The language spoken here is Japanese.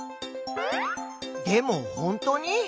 でもほんとに？